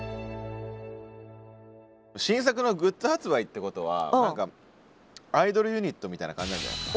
「新作のグッズ発売」ってことは何かアイドルユニットみたいな感じなんじゃないですか？